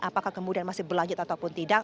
apakah kemudian masih berlanjut ataupun tidak